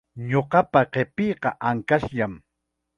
Ñuqapa qipiiqa ankashllam.